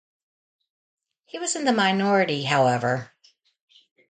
He was in the minority, however.